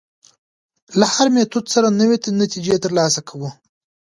له هر میتود سره نوې نتیجې تر لاسه کوو.